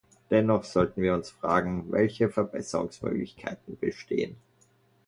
Dennoch sollten wir uns fragen, welche Verbesserungsmöglichkeiten bestehen.